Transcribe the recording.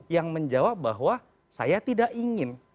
yang menjawab bahwa saya tidak ingin